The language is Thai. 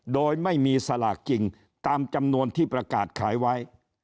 โดยไม่มีสลากจริงตามจำนวนที่ประกาศขายไว้